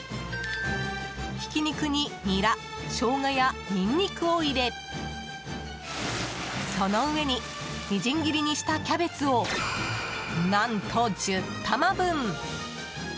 ひき肉にニラショウガやニンニクを入れその上に、みじん切りにしたキャベツを何と１０玉分。